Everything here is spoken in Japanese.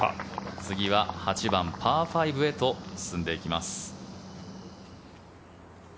次は８番、パー５へと進んでいきます。